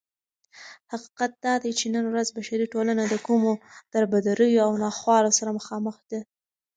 حقيقت دادى چې نن ورځ بشري ټولنه دكومو دربدريو او ناخوالو سره مخامخ ده